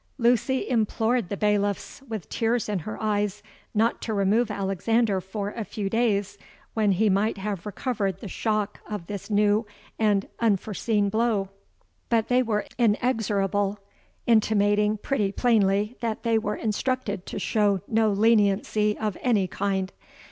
Lucy implored the bailiffs, with tears in her eyes, not to remove Alexander for a few days, when he might have recovered the shock of this new and unforeseen blow; but they were inexorable, intimating pretty plainly that they were instructed to show no leniency of any kind.